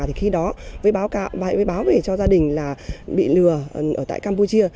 thì khi đó với báo về cho gia đình là bị lừa ở tại campuchia